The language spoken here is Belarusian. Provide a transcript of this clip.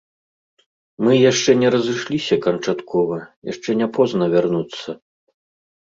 Мы яшчэ не разышліся канчаткова, яшчэ не позна вярнуцца.